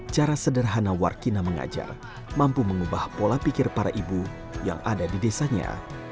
cara sederhana warkina mengajar mampu mengubah pola pikir para ibu yang ada di desanya